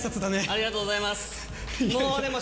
ありがとうございます。